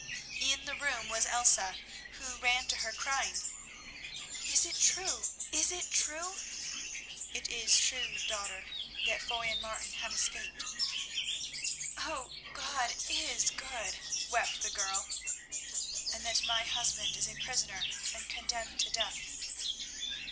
In the room was Elsa, who ran to her crying, "Is it true? Is it true?" "It is true, daughter, that Foy and Martin have escaped——" "Oh! God is good!" wept the girl. "And that my husband is a prisoner and condemned to death."